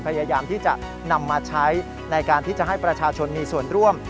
พยายามที่จะนำมาใช้ในการที่จะให้ประชาชนมีส่วนร่วม